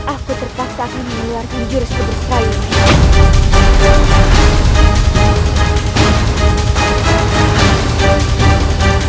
aku terpaksa akan mengeluarkan jurus keberstrayaan